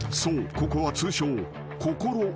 ここは通称］